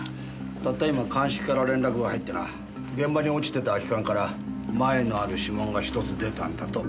たった今鑑識から連絡が入ってな現場に落ちてた空き缶からマエのある指紋がひとつ出たんだと。